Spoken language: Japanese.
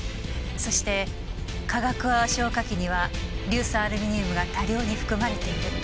そして化学泡消火器には硫酸アルミニウムが多量に含まれている。